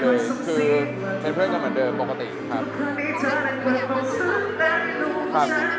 มันถึงมีเมื่อวานตอบดีกว่า